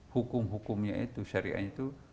hukum hukumnya itu syariahnya itu